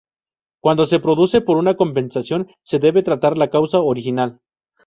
Cuando se produce por una compensación, se debe tratar la causa original.